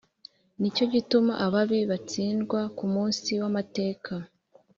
Ni cyo gituma ababi bazatsindwa ku munsi w’amateka,